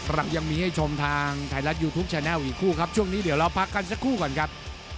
เรายังมีให้ชมทางไทยรัฐยูทูปแนลอีกคู่ครับช่วงนี้เดี๋ยวเราพักกันสักครู่ก่อนครับ